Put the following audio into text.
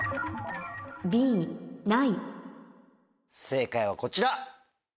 正解はこちら。